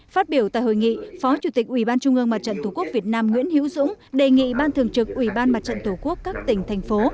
phát biểu tại hội nghị phó chủ tịch ubndtqvn nguyễn hiếu dũng đề nghị ban thường trực ubndtq các tỉnh thành phố